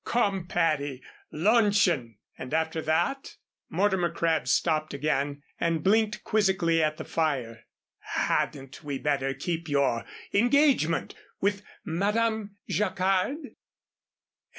"Come, Patty, luncheon! And after that" Mortimer Crabb stopped again and blinked quizzically at the fire "hadn't we better keep your engagement with Madame Jacquard?"